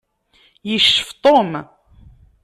Yeccef Tom.